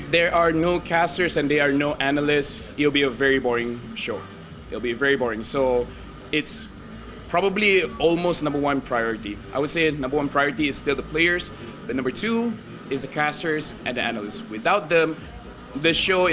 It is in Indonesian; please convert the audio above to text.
dan tanpa mereka pertandingan itu tidak bisa dilihat